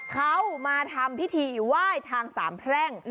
เขามาทำพิธีไหว้ทางสามแพร่ง